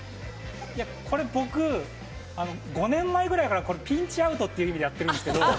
これ僕５年前ぐらいからピンチアウトっていう意味でやってるんですけど。